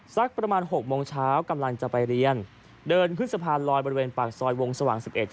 สักประมาณ๖โมงเช้ากำลังจะไปเรียนเดินขึ้นสะพานลอยบริเวณปากซอยวงสว่าง๑๑